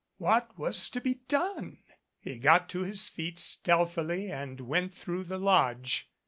What was to be done? He got to his feet stealthily and went through the lodge.